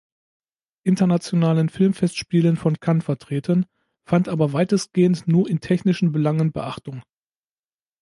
Internationalen Filmfestspiele von Cannes vertreten, fand aber weitestgehend nur in technischen Belangen Beachtung.